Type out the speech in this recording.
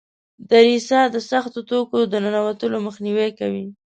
دریڅه د سختو توکو د ننوتلو مخنیوی کوي.